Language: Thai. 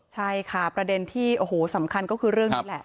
ใช่ค่ะประเด็นที่โอ้โหสำคัญก็คือเรื่องนี้แหละ